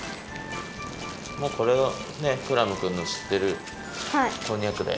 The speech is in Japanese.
もうこれがクラムくんのしってるこんにゃくだよ。